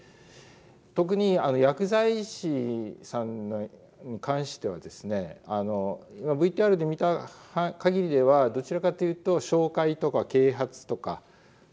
特に薬剤師さんに関してはですね今ＶＴＲで見た限りではどちらかというと紹介とか啓発とかそういった内容ですよね。